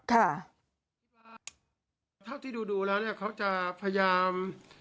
ค่ะเท่าที่ดูดูแล้วเนี้ยเขาจะพยายาม